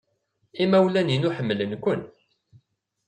Imawlan-inu ḥemmlen-ken.